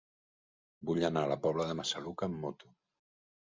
Vull anar a la Pobla de Massaluca amb moto.